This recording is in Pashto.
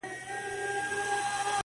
سړیتوب په ښو اوصافو حاصلېږي,